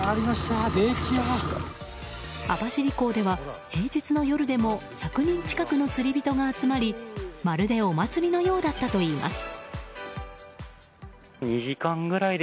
網走港では平日の夜でも１００人近くの釣り人が集まりまるでお祭りのようだったといいます。